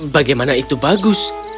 bagaimana itu bagus